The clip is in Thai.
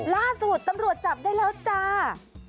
ล่าสุดตำรวจจับได้แล้วจ้า